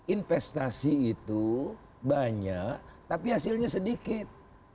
investasi itu banyak tapi hasilnya sedikit